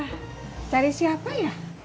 eh cari siapa ya